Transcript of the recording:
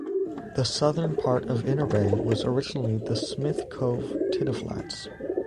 The southern part of Interbay was originally the Smith Cove tideflats.